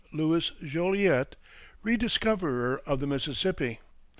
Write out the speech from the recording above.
LOUIS JOLIET, RE DISCOVERER OF THE MISSISSIPPI.